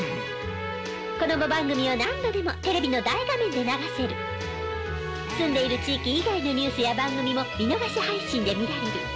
子供番組を何度でもテレビの大画面で流せる！住んでいる地域以外のニュースや番組も見逃し配信で見られる。